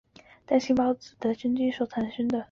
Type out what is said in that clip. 担孢子的真菌所产生的。